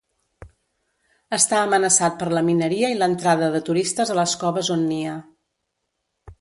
Està amenaçat per la mineria i l'entrada de turistes a les coves on nia.